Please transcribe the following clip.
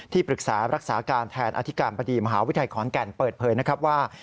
ปรึกษารักษาการแทนอธิการบดีมหาวิทยาลัยขอนแก่นเปิดเผยนะครับว่า